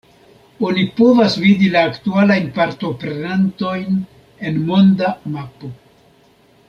Oni povas vidi la aktualajn partoprenantojn en monda mapo.